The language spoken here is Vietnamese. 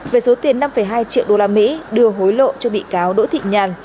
về số tiền năm hai triệu đô la mỹ đưa hối lộ cho bị cáo đỗ thị nhàn